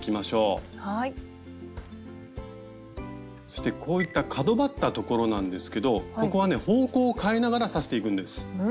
そしてこういった角ばったところなんですけどここはね方向を変えながら刺していくんです。